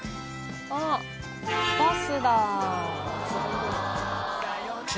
あっバスだ。